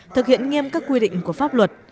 thực hiện nghiêm các quy định của pháp luật